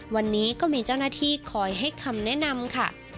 วันนี้ก็มีเจ้าหน้าที่คอยให้คำแนะนำค่ะ